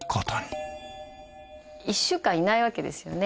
１週間いないわけですよね。